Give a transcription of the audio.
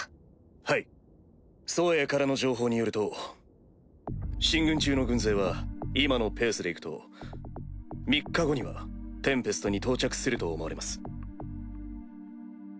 はいソウエイからの情報によると進軍中の軍勢は今のペースで行くと３日後にはテンペストに到着すると思われます。